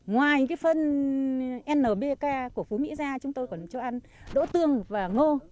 ngoài cái phân nbk của phố mỹ gia chúng tôi còn cho ăn đỗ tương và ngô